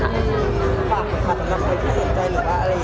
อืมความสำคัญของค่านับสนุนใจหรือว่าอะไรดีเนอะ